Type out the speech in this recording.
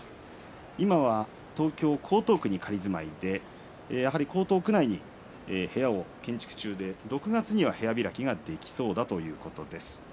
今は東京江東区に仮住まいでやはり江東区内に部屋を建築中で６月には部屋開きができそうだということです。